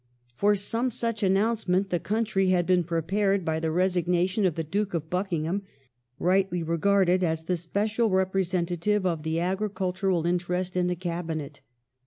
For some such announce ment the country had been prepared by the resignation of the Duke of Buckingham, rightly regarded as the special representa tive of the agricultural interest in the Cabinet.